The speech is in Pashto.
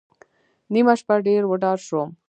نیمه شپه ډېر وډار شوم.